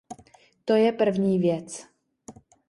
To je první věc.